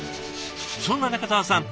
そんな仲澤さん